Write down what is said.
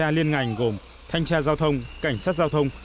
đã thành lập tổ tuần tra liên ngành gồm thanh tra giao thông cảnh sát giao thông